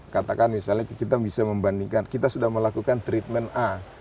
katakan misalnya kita bisa membandingkan kita sudah melakukan treatment a